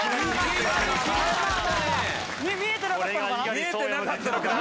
見えてなかったのかな？